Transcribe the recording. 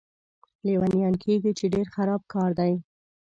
لیونیان کېږي، چې ډېر خراب کار دی.